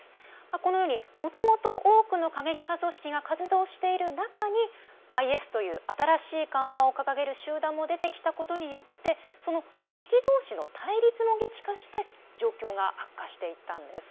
このようにもともと多くの過激派組織が活動している中にＩＳという新しい看板を掲げる集団が出てきたことによってその組織どうしの対立も激化して状況が悪化していったんです。